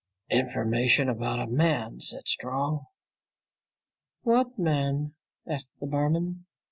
"Information about a man," said Strong. "What man?" asked the barman.